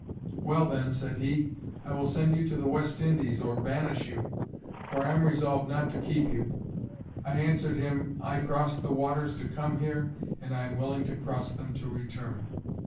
Well then, said he, I will send you to the West Indies or banish you, for I am resolved not to keep you. I answered him I crossed the waters to come here, and I am willing to cross them to return.